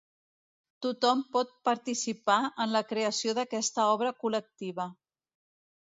Tothom pot participar en la creació d’aquesta obra col·lectiva.